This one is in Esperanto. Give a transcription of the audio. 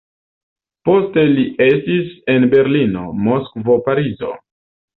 Poste li estis en Berlino, Moskvo, Parizo.